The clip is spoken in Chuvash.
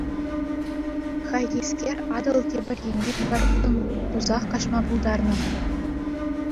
Хайхискер Атӑл тепӗр енне пӗр утӑм тусах каҫма пултарнӑ.